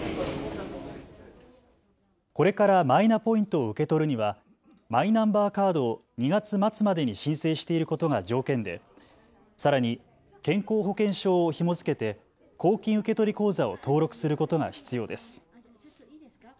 これからマイナポイントを受け取るにはマイナンバーカードを２月末までに申請していることが条件でさらに健康保険証をひも付けて公金受取口座を登録することが必要です。